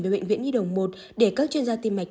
về bệnh viện nhi đồng một để các chuyên gia tim mạch